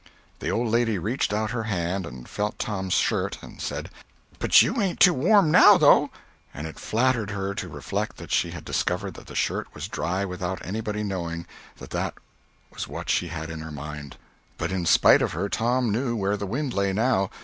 The old lady reached out her hand and felt Tom's shirt, and said: "But you ain't too warm now, though." And it flattered her to reflect that she had discovered that the shirt was dry without anybody knowing that that was what she had in her mind. But in spite of her, Tom knew where the wind lay, now.